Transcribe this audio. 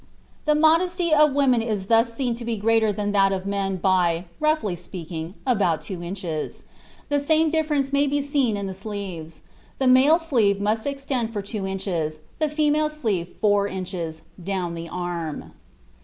The modesty of women is thus seen to be greater than that of men by, roughly speaking, about two inches. The same difference may be seen in the sleeves; the male sleeve must extend for two inches, the female sleeve four inches, down the arm.